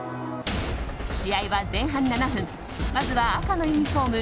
試合は前半７分まずは赤のユニホーム